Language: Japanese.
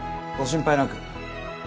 ご心配なく。